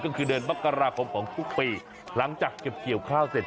ก็คือเดือนมกราคมของทุกปีหลังจากเก็บเกี่ยวข้าวเสร็จ